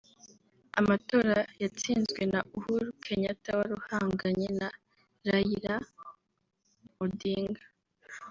amatora yatsinzwe na Uhuru Kenyatta wari uhanganye na Raila Odinga